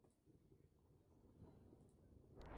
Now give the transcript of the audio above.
Fue asiduo en el combinado nacional de Alemania.